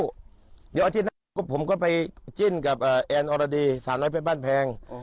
เดี๋ยวอาทิตย์หน้าผมก็ไปจิ้นกับแอนอรดี๓๐๐ไปบ้านแพง